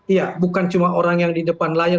iya bukan cuma orang yang di depan layar